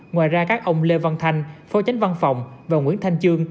ngoài ra các ông lê văn thanh phó chánh văn phòng và nguyễn thanh chương